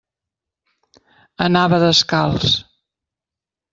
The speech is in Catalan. Anava descalç.